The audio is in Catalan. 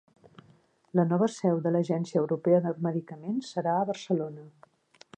La nova seu de l'Agència Europea de Medicaments serà a Barcelona